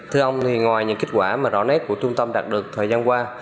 thưa ông ngoài những kết quả rõ nét của trung tâm đạt được thời gian qua